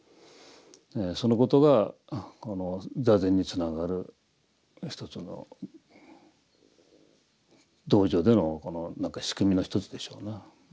そのことがこの坐禅につながる一つの道場での仕組みの一つでしょうな。